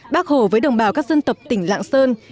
bác hồ với đồng bào các dân tộc tỉnh lạng sơn